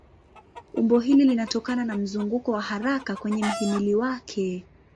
Umbo hili linatokana na mzunguko wa haraka kwenye mhimili wake.